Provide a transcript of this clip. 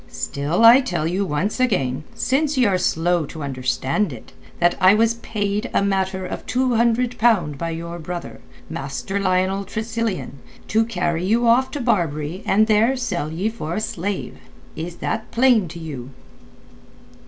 Still, I tell you once again, since ye are slow to understand it, that I was paid a matter of two hundred pound by your brother, Master Lionel Tressilian, to carry you off to Barbary and there sell you for a slave. Is that plain to you?"